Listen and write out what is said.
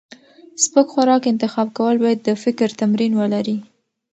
سپک خوراک انتخاب کول باید د فکر تمرین ولري.